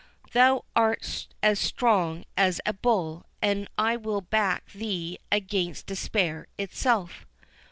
Thou art as strong as a bull; and I will back thee against despair itself."